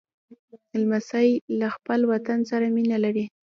لمسی له خپل وطن سره مینه لري.